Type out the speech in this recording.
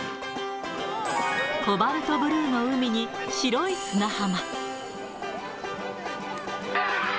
コバルトブルーの海に白い砂浜。